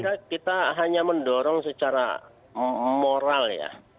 saya kira kita hanya mendorong secara moral ya